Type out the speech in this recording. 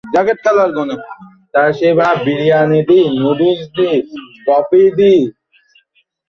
এমন সময় শোভনের কাছ থেকে এক চিঠি এল।